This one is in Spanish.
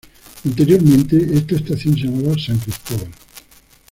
Anteriormente esta estación se llamaba "San Cristóbal".